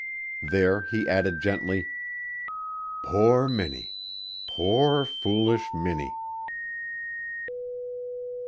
There he added gently: "Poor Minnie! Poor foolish Minnie!"